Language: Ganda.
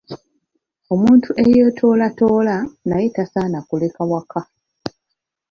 Omuntu eyeetoolatoola naye tasaana kuleka waka.